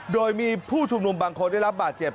โดยมีผู้ชุมนุมบางคนได้รับบาดเจ็บ